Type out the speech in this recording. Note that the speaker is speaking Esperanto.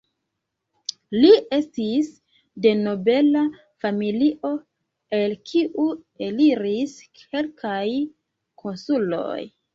Li estis de nobela familio el kiu eliris kelkaj konsuloj.